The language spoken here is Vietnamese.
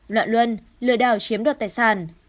loạn luân lừa đảo chiếm đoạt tài sản